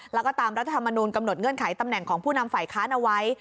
แล้วก็ตามรัฐธรรมนูลกำหนดเงื่อนไขตำแหน่งของผู้นำฝ่ายค้านเอาไว้